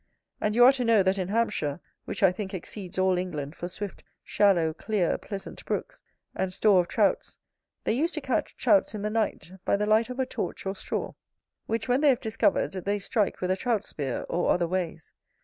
And you are to know, that in Hampshire, which I think exceeds all England for swift, shallow, clear, pleasant brooks, and store of Trouts, they used to catch Trouts in the night, by the light of a torch or straw, which, when they have discovered, they strike with a Trout spear, or other ways.